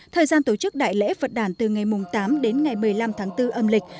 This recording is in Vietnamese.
thời gian tổ chức đại lễ phật đàn từ ngày tám đến ngày một mươi năm tháng bốn âm lịch